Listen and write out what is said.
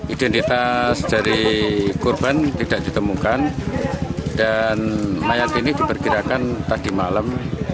identitas dari korban tidak ditemukan dan mayat ini diperkirakan tadi malam